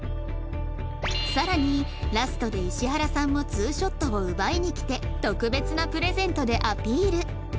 さらにラストで石原さんもツーショットを奪いに来て特別なプレゼントでアピール